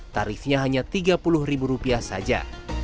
tarifnya hanya tiga puluh ribu rupiah saja